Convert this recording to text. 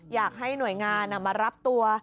อยากให้หน่วยงานมารับตัว